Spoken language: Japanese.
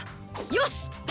よし！